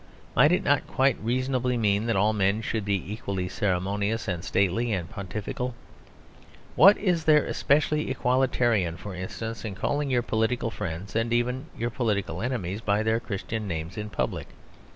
Might it not quite reasonably mean that all men should be equally ceremonious and stately and pontifical? What is there specially Equalitarian, for instance, in calling your political friends and even your political enemies by their Christian names in public?